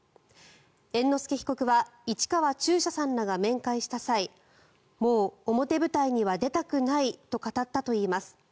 猿之助被告は市川中車さんらが面会した際もう表舞台には出たくないと語ったといいます。